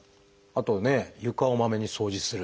あと床をまめに掃除する。